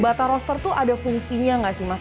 bata roster tuh ada fungsi tidak sih mas